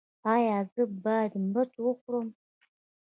ایا زه باید مرچ وخورم؟